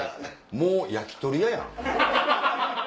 もう焼き鳥屋やん。